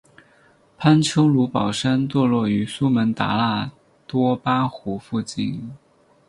潘丘卢保山坐落于苏门答腊多巴湖附近。